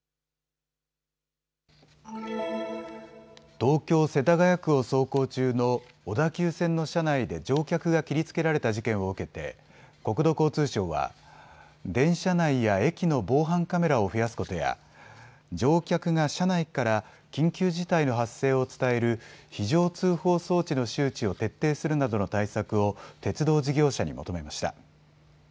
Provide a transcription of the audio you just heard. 東京世田谷区を走行中の小田急線の車内で乗客が切りつけられた事件を受けて国土交通省は電車内や駅の防犯カメラを増やすことや乗客が車内から緊急事態の発生を伝える非常通報装置の周知を徹底するなどの対策を鉄道事業者に求めました。